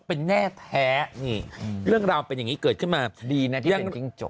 เป็นแน่แท้นี่เรื่องราวเป็นอย่างนี้เกิดขึ้นมาดีนะที่เรื่องจิ้งจก